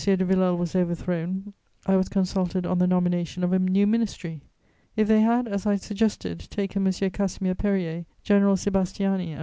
de Villèle was overthrown, I was consulted on the nomination of a new ministry. If they had, as I suggested, taken M. Casimir Périer, General Sébastiani and M.